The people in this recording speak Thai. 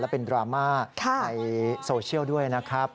เป็นดราม่าในโซเชียลด้วยนะครับ